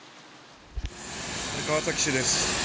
川崎市です。